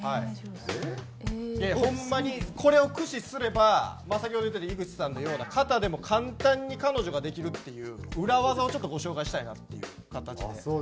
ホンマにこれを駆使すればまあ先ほど言ってた井口さんのような方でも簡単に彼女ができるっていう裏技をちょっとご紹介したいなという形です。